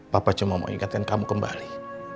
papa cuma mau ingatkan kamu kembali